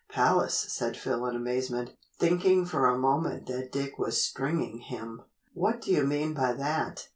"Palace," said Phil in amazement, thinking for a moment that Dick was "stringing" him. "What do you mean by that?"